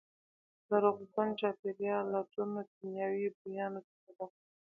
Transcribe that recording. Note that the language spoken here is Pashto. د روغتون چاپېریال له توندو کیمیاوي بویانو څخه ډک وو.